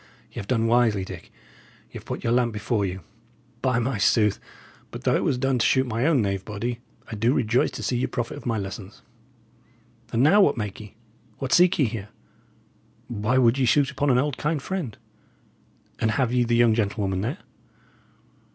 y' 'ave done wisely, Dick; y' 'ave put your lamp before you. By my sooth, but, though it was done to shoot my own knave body, I do rejoice to see ye profit of my lessons! And now, what make ye? what seek ye here? Why would ye shoot upon an old, kind friend? And have ye the young gentlewoman there?"